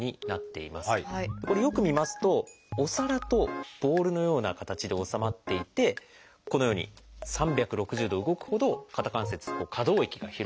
これよく見ますとお皿とボールのような形で収まっていてこのように３６０度動くほど肩関節可動域が広い。